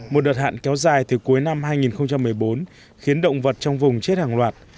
một đợt hạn kéo dài từ cuối năm hai nghìn một mươi bốn khiến động vật trong vùng chết hàng loạt